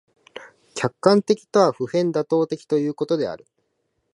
客観的とは普遍妥当的ということである。